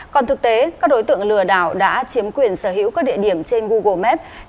còn thực tế các đối tượng lừa đảo đã chiếm quyền sở hữu các địa điểm trên google maps